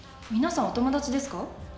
皆さんお友達ですか？